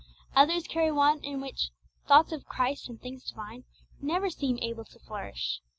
Others carry one in which 'thoughts of Christ and things divine' never seem able to flourish.